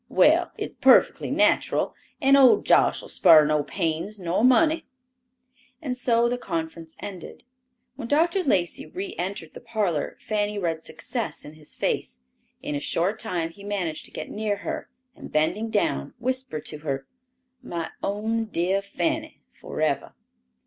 Well, it's perfectly nateral, and old Josh'll spar no pains nor money." And so the conference ended. When Dr. Lacey re entered the parlor Fanny read success in his face. In a short time he managed to get near her, and bending down, whispered to her, "My own dear Fanny, forever."